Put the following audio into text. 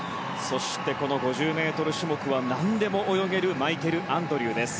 そして５０ｍ種目は何でも泳げるマイケル・アンドリューです。